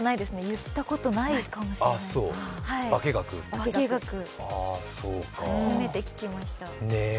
言ったことないかもしれないばけがく、初めて聞きました。